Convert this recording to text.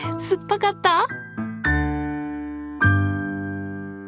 酸っぱかった！？